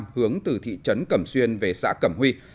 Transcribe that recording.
hướng từ thị trấn cẩm xuyên về xã cẩm huy